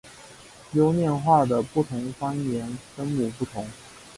优念话的不同方言声母不同。